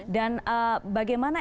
dua dan bagaimana